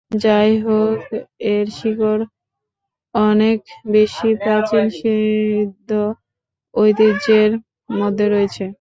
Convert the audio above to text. যাইহোক, এর শিকড় অনেক বেশি প্রাচীন সিদ্ধ ঐতিহ্যের মধ্যে রয়েছে।